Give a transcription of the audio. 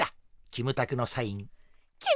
キムタクのサイン！？